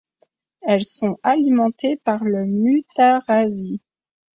Elles sont alimentées par le Mutarazi.